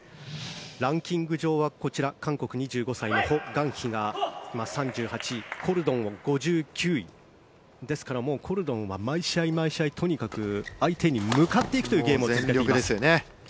ランキング上はこちら韓国、２５歳のホ・グァンヒが３８位コルドンは５９位ですからコルドンは毎試合毎試合、相手に向かっていくというゲームをしています。